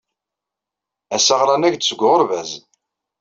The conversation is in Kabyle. Ass-a ɣran-ak-d seg uɣerbaz.